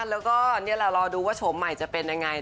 แล้วก็เรารอดูว่าโฉมใหม่จะเป็นยังไง